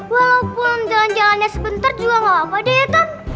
walaupun jalan jalannya sebentar juga gak apa apa deh tuh